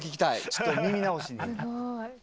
ちょっと耳直しに。